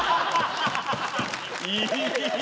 いい！